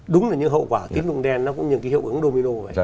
đúng là những hậu quả tín phục đen nó cũng những cái hiệu ứng domino